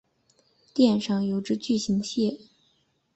店上有一只巨型的蟹。